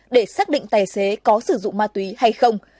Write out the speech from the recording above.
để xác định tài xế có sử dụng ma túy hay không